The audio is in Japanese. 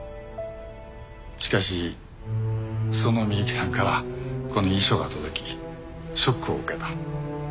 しかしその美雪さんからこの遺書が届きショックを受けた。